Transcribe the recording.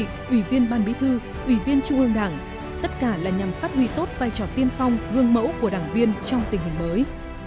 trước hết là ủy viên chủ ương đảng tất cả là nhằm phát huy tốt vai trò tiên phong gương mẫu của đảng viên trong tình hình mới